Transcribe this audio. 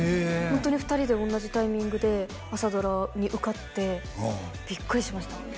ホントに２人で同じタイミングで朝ドラに受かってビックリしました